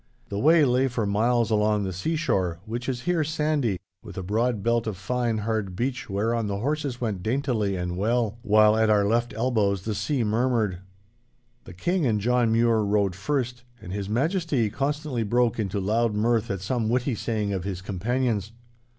The way lay for miles along the seashore, which is here sandy, with a broad belt of fine hard beach whereon the horses went daintily and well, while at our left elbows the sea murmured. The King and John Mure rode first, and His Majesty constantly broke into loud mirth at some witty saying of his companion's.